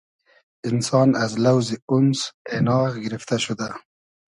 اینسان از لۆزی (اونس) اېناغ گیرفتۂ شودۂ